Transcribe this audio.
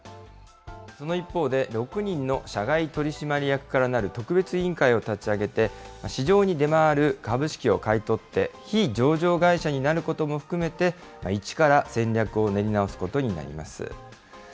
その一方で、６人の社外取締役からなる特別委員会を立ち上げて、市場に出回る株式を買い取って、非上場会社になることも含めて、一から戦略を練り直すことになります。